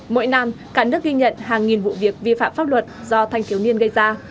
mỗi năm cả nước ghi nhận hàng nghìn vụ việc vi phạm pháp luật do thanh thiếu niên gây ra